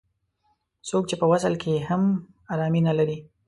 څوک چې په وصل کې هم ارامي نه لري.